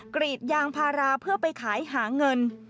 กรีดยางพาราเพื่อไปขายหาเงิน